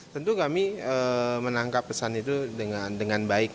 tentu kami menangkap pesan itu dengan baik